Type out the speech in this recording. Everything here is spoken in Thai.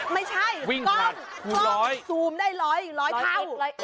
ไม่ใช่กล้องซูมได้ร้อยร้อยเท่า